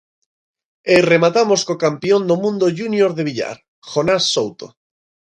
E rematamos co campión do mundo júnior de billar, Jonás Souto.